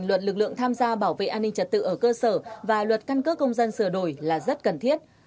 luật lực lượng tham gia bảo vệ an ninh trật tự ở cơ sở và luật căn cước công dân sửa đổi là rất cần thiết